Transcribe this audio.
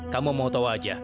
kamu mau tau aja